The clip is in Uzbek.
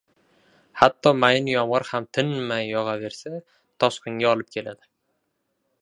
• Hatto mayin yomg‘ir ham tinmay yog‘aversa toshqinga olib keladi.